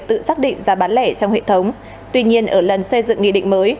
tự xác định giá bán lẻ trong hệ thống tuy nhiên ở lần xây dựng nghị định mới